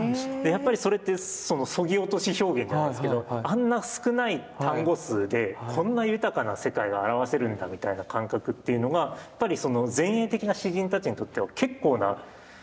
やっぱりそれってそのそぎ落とし表現じゃないですけどあんな少ない単語数でこんな豊かな世界が表せるんだみたいな感覚っていうのがやっぱり前衛的な詩人たちにとっては結構な驚きだったみたいで。